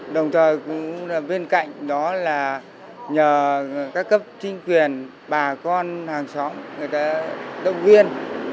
đồng thời cũng bên cạnh đó là nhờ các cấp chính quyền bà con hàng xóm người ta động viên